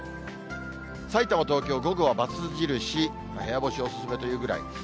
さいたま、東京、午後はバツ印、部屋干しお勧めというぐらい。